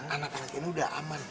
anak anak ini udah aman